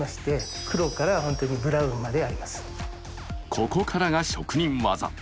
ここからが職人技。